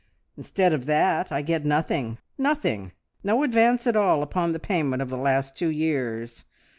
Instead of that, I get nothing nothing! No advance at all upon the payment of the last two years.